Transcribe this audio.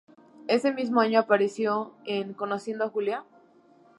Ese mismo año apareció en "Conociendo a Julia".